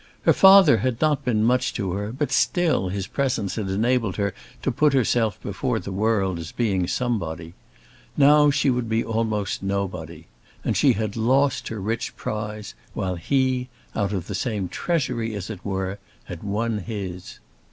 Her father had not been much to her, but still his presence had enabled her to put herself before the world as being somebody. Now she would be almost nobody. And she had lost her rich prize, while he, out of the same treasury as it were, had won his!